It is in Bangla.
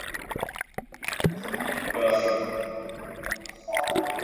একটু আরাম কর।